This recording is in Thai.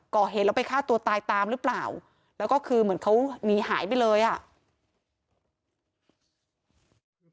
ก่อเหตุแล้วไปฆ่าตัวตายตามหรือเปล่าแล้วก็คือเหมือนเขาหนีหายไปเลยอ่ะ